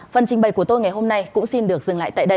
phần trình bày của tôi ngày hôm nay cũng xin được dừng lại tại đây